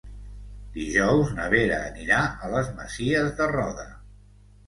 Dijous na Vera anirà a les Masies de Roda.